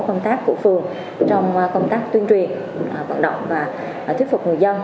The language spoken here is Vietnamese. các tổ công tác cụ phường trong công tác tuyên truyền hoạt động và thuyết phục người dân